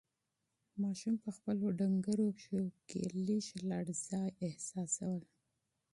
ماشوم په خپلو ډنگرو پښو کې لږه لړزه احساسوله.